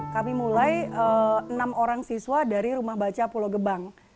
kami mulai enam orang siswa dari rumah baca pulau gebang